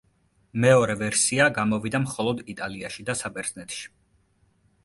მეორე ვერსია გამოვიდა მხოლოდ იტალიაში და საბერძნეთში.